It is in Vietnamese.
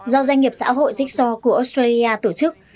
do doanh nghiệp xã hội jigso của australia tổ chức